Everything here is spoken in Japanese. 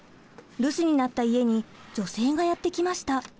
留守になった家に女性がやって来ました。